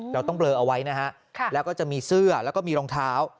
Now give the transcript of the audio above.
เราต้องเบลอเอาไว้นะฮะแล้วก็จะมีเสื้อแล้วก็มีรองเท้า